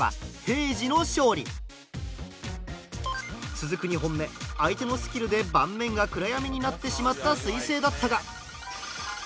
続く２本目相手のスキルで盤面が暗闇になってしまった彗星だったが。